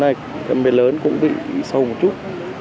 sâu thì bên này bên lớn cũng bị sâu một chút